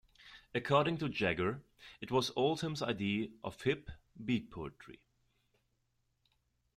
According to Jagger, it was Oldham's idea of hip, Beat poetry.